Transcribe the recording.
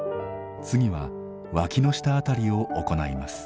次は脇の下辺りを行います。